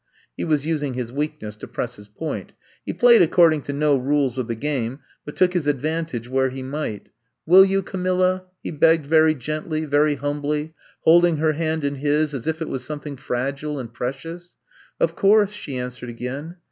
He was using his weakness to press his point. He played according to no rules of the game, but took his advantage where he might. *'Will you, Camilla!" he begged very gently, very humbly, hold ing her hand in his as if it was something fragile and precious. ^*0f course," she answered again.